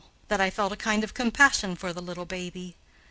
that I felt a kind of compassion for the little baby.